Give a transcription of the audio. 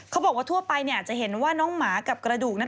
เขาบอกว่าทั่วไปจะเห็นว่าน้องหมากับกระดูกนั้น